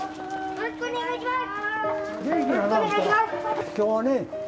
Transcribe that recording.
よろしくお願いします！